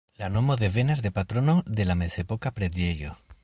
La nomo devenas de patrono de la mezepoka preĝejo.